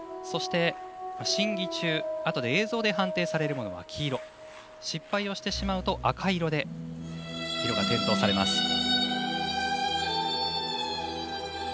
そして審議中、あとで映像で判定されるものは黄色失敗をしてしまうと赤色が点灯されます。